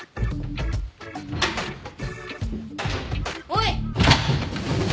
おい。